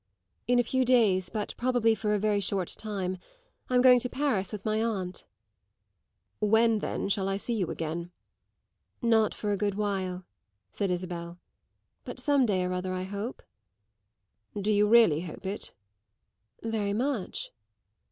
"In a few days; but probably for a very short time. I'm going to Paris with my aunt." "When, then, shall I see you again?" "Not for a good while," said Isabel. "But some day or other, I hope." "Do you really hope it?" "Very much."